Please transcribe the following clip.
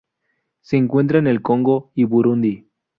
Se encuentra en el Congo y Burundi.